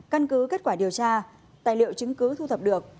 căn cứ kết quả điều tra tài liệu chứng cứ thu thập được